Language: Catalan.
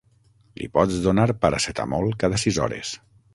Li pots donar paracetamol cada sis hores.